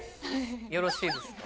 よろしいですか？